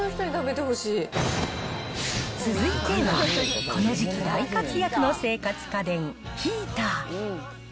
続いては、この時期大活躍の生活家電、ヒーター。